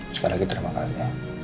sekali lagi terima kasih